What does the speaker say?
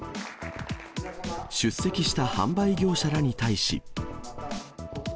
出席した販売業者らに対し。